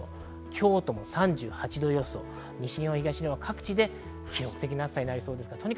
京都も３８度予想、西日本、東日本各地で記録的な暑さになりそうです。